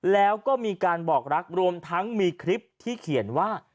แล้วก็มีการบอกรักรวมทั้งมีคลิปที่เขียนว่า